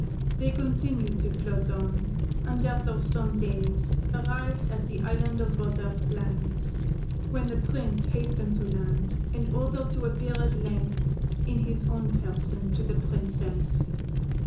They continued to float on, and after some days arrived at the Island of Butterflies, when the Prince hastened to land, in order to appear at length in his own person to the Princess.